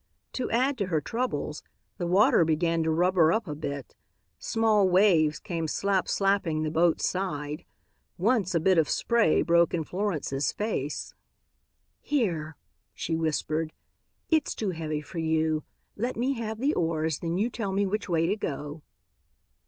To add to her troubles, the water began to rubber up a bit. Small waves came slap slapping the boat's side. Once a bit of spray broke in Florence's face. "Here," she whispered, "it's too heavy for you. Let me have the oars, then you tell me which way to go."